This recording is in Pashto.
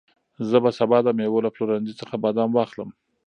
زه به سبا د مېوو له پلورنځي څخه بادام واخلم.